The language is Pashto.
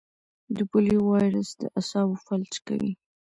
د پولیو وایرس د اعصابو فلج کوي.